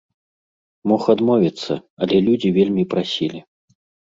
Мог адмовіцца, але людзі вельмі прасілі.